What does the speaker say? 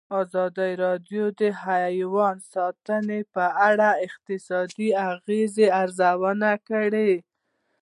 ازادي راډیو د حیوان ساتنه په اړه د اقتصادي اغېزو ارزونه کړې.